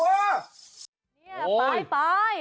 ลูกหลานกลัว